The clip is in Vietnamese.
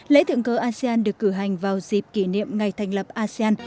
lễ thượng cờ asean được cử hành vào dịp kỷ niệm ngày thành lập asean